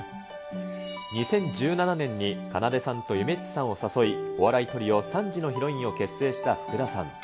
２０１７年にかなでさんとゆめっちさんを誘い、お笑いトリオ、３時のヒロインを結成した福田さん。